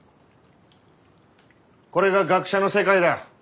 これが学者の世界だ。